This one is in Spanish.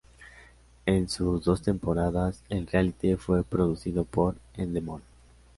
En sus dos temporadas, el "reality" fue producido por Endemol.